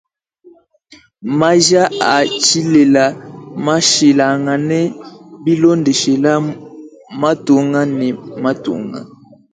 Maja a tshilela mmashilangana bilondeshela matunga ne matunga.